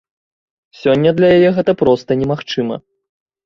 Сёння для яе гэта проста немагчыма.